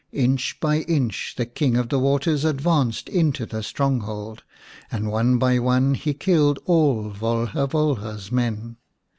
Inch by inch the King of the Waters advanced into the stronghold, and one by one he killed all Volha Volha's men.